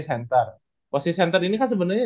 center posisi center ini kan sebenernya